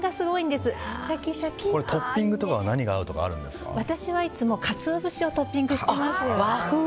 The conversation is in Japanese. トッピングは私はいつもカツオ節をトッピングしてます。